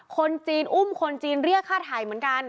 คนจีนอุ้มคนจีนเรียกค่าถ่ายเหมือนกัน